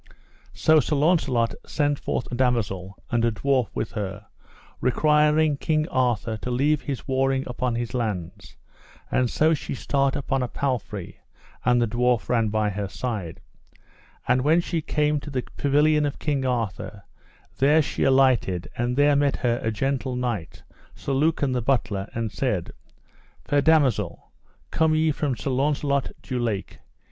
So Sir Launcelot sent forth a damosel and a dwarf with her, requiring King Arthur to leave his warring upon his lands; and so she start upon a palfrey, and the dwarf ran by her side. And when she came to the pavilion of King Arthur, there she alighted; and there met her a gentle knight, Sir Lucan the Butler, and said: Fair damosel, come ye from Sir Launcelot du Lake?